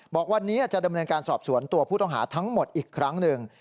บอกวันนี้จะดำเนินการสอบสวนตัวผู้ต้องหาทั้งหมดอีกครั้งหนึ่ง